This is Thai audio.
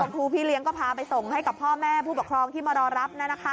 ครูพี่เลี้ยงก็พาไปส่งให้กับพ่อแม่ผู้ปกครองที่มารอรับ